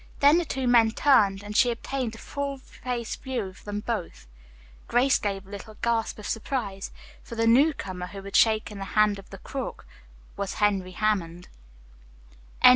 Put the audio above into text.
Then the two men turned and she obtained a full face view of them both. Grace gave a little gasp of surprise, for the newcomer who had shaken the hand of the crook was Henry Hammond.